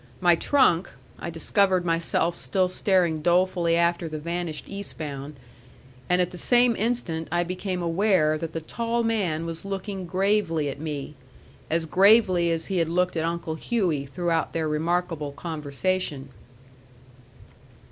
My trunk I discovered myself still staring dolefully after the vanished East bound; and at the same instant I became aware that the tall man was looking gravely at me, as gravely as he had looked at Uncle Hughey throughout their remarkable conversation.